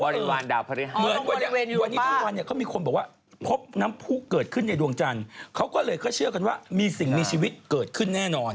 เหมือนวันนี้วันนี้ทั้งวันเนี่ยเขามีคนบอกว่าพบน้ำผู้เกิดขึ้นในดวงจันทร์เขาก็เลยก็เชื่อกันว่ามีสิ่งมีชีวิตเกิดขึ้นแน่นอน